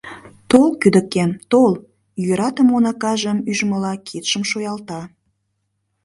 — Тол кӱдыкем, тол, — йӧратыме уныкажым ӱжмыла, кидшым шуялта.